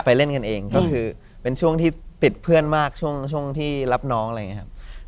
เล่นกันเองก็คือเป็นช่วงที่ติดเพื่อนมากช่วงที่รับน้องอะไรอย่างนี้ครับ